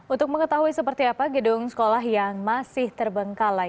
untuk mengetahui seperti apa gedung sekolah yang masih terbengkalai